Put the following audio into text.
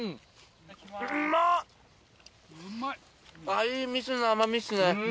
あっいい味噌の甘みっすね。